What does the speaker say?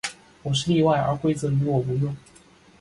我是例外，而规则于我无用。